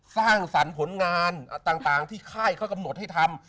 สร้างสรรค์ผลงานต่างที่ค่ายเขากำหนดให้ทำ